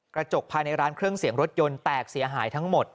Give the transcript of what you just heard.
กระจกภายในร้านเครื่องเสียงรถยนต์แตกเสียหายทั้งหมด